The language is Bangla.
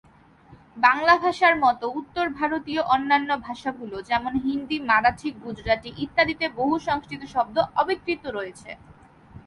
বাংলা ভাষার মতো উত্তরভারতীয় অন্যান্য ভাষাগুলো যেমন হিন্দি, মারাঠি, গুজরাটি ইত্যাদিতে বহু সংস্কৃত শব্দ অবিকৃত রয়েছে।